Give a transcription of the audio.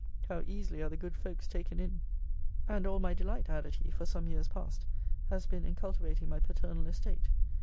how easily are the good folks taken in!] and all my delight, added he, for some years past, has been in cultivating my paternal estate.